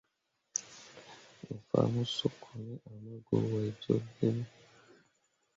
Me fah mo suuko me ama go wai jolle ge me.